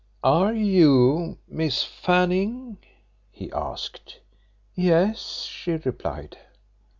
"Are you Miss Fanning?" he asked. "Yes," she replied.